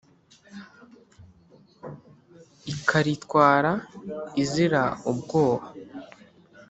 ikaritwara izira ubwoba :